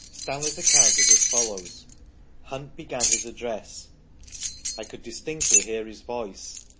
Stanley's account is as follows : "Hunt began his address. I could distinctly hear his voice.